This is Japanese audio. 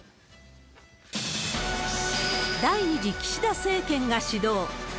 第２次岸田政権が始動。